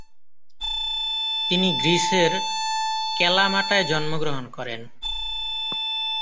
তিনি গ্রিসের ক্যালামাটায় জন্মগ্রহণ করেন।